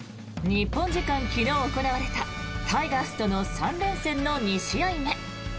日本時間昨日行われたタイガースとの３連戦の２試合目。